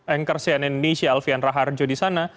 anchor cnn indonesia alfian raharjo di sana